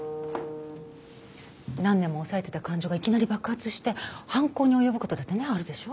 何年も抑えてた感情がいきなり爆発して犯行に及ぶ事だってねあるでしょ。